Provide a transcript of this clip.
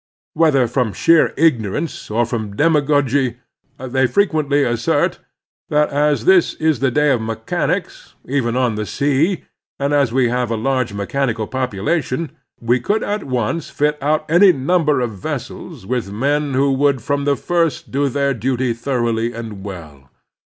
Whether from sheer igno rance or from demagogy, they frequently assert that, as this is the day of mechanics, even on the r sea, and as we have a large mechanical population, ! we could at once fit out any number of vessels with ^\ men who would from the first do their duty thor oughly and well.